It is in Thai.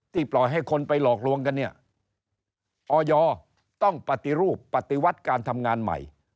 ปล่อยให้คนไปหลอกลวงกันเนี่ยออยต้องปฏิรูปปฏิวัติการทำงานใหม่